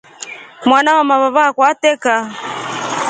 Mwana wamavava akwa atreka.